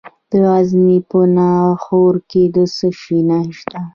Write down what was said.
د غزني په ناهور کې د څه شي نښې شته؟